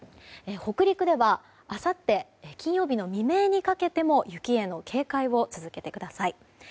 北陸では、あさって金曜日の未明にかけても雪への警戒を続けてください。